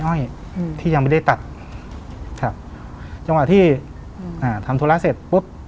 ้อยอืมที่ยังไม่ได้ตัดครับจังหวะที่อืมอ่าทำธุระเสร็จปุ๊บ